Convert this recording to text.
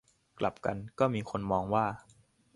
กลับกัน ก็มีคนมองว่า